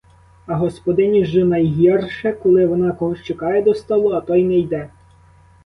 А господині ж найгірше, коли вона когось чекає до столу, а той не йде.